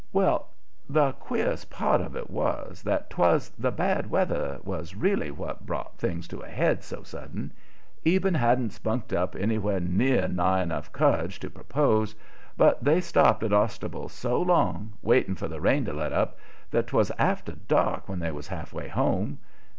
Well, the queerest part of it was that 'twas the bad weather was really what brought things to a head so sudden. Eben hadn't spunked up anywhere nigh enough courage to propose, but they stopped at Ostable so long, waiting for the rain to let up, that 'twas after dark when they was half way home.